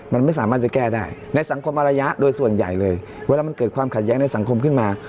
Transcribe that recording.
มันไม่สามารถจะแก้ได้ในสังคมอารยะโดยส่วนใหญ่เลยเวลามันเกิดความขัดแย้งในสังคมขึ้นมา